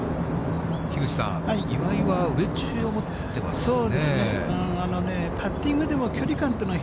樋口さん、岩井はウェッジを持ってますね。